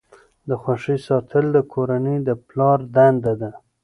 د خوښۍ ساتل د کورنۍ د پلار دنده ده.